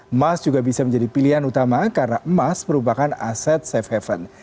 emas juga bisa menjadi pilihan utama karena emas merupakan aset safe haven